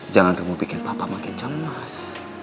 jangan kamu bikin papa makin cemas